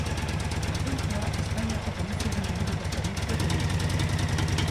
Atentatua Espainiako poliziaren inguruko zerbitzuek egin zuten.